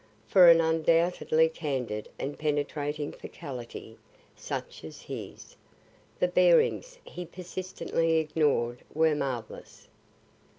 For an undoubtedly candid and penetrating faculty such as his, the bearings he persistently ignored were marvellous.